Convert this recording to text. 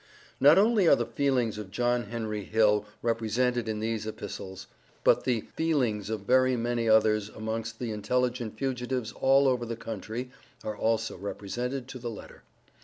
Not only are the feelings of John Henry Hill represented in these epistles, but the feelings of very many others amongst the intelligent fugitives all over the country are also represented to the letter.